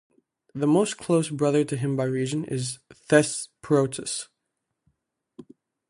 The most close brother to him by region is Thesprotus.